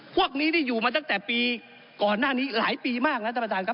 พวกนี้นี่อยู่มาตั้งแต่ปีก่อนหน้านี้หลายปีมากนะท่านประธานครับ